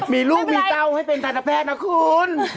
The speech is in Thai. มีลูกมีเต้าให้เป็นทันตแพทย์นะคุณ